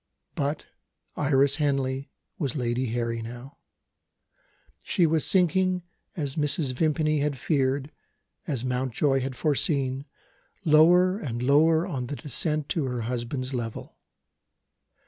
But Iris Henley was Lady Harry now. She was sinking as Mrs. Vimpany had feared, as Mountjoy had foreseen lower and lower on the descent to her husband's level.